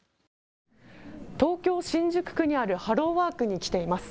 東京新宿区にあるハローワークに来ています。